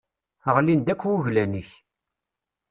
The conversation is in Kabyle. Ɣlin-d akk wuglan-ik.